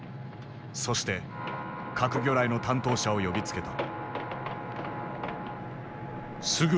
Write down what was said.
そして核魚雷の担当者を呼びつけた。